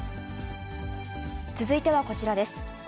続いてはこちらです。